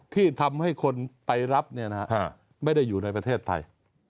ที่ทำให้คนไปรับเนี่ยนะครับไม่ได้อยู่ในประเทศไทย